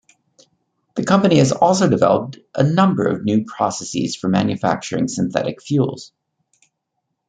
The company has also developed a number of new processes for manufacturing synthetic fuels.